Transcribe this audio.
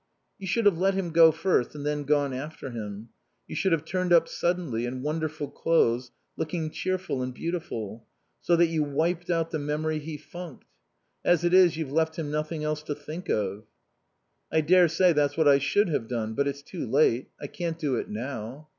"You should have let him go first and then gone after him. You should have turned up suddenly, in wonderful clothes, looking cheerful and beautiful. So that you wiped out the memory he funked. As it is you've left him nothing else to think of." "I daresay that's what I should have done. But it's too late. I can't do it now."